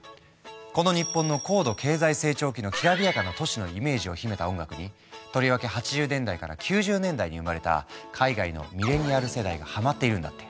この日本の高度経済成長期のきらびやかな都市のイメージを秘めた音楽にとりわけ８０年代から９０年代に生まれた海外のミレニアル世代がハマっているんだって。